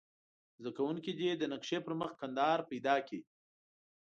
زده کوونکي دې د نقشې پر مخ کندهار پیدا کړي.